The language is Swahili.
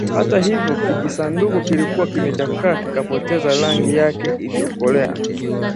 Hata hivyo, kijisanduku kilikuwa kimechakaa kikapoteza rangi yake iliyokolea